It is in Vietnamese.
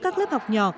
các lớp học nhỏ